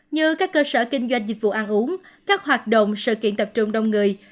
như các cơ sở kinh doanh dịch vụ ăn uống các hoạt động sự kiện tập trung đông người